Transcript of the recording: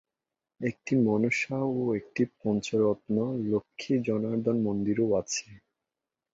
একটি মনসা ও একটি "পঞ্চরত্ন" লক্ষ্মী-জনার্দন মন্দিরও আছে।